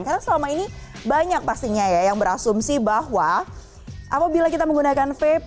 karena selama ini banyak pastinya ya yang berasumsi bahwa apabila kita menggunakan vape